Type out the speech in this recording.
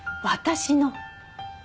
「私の」？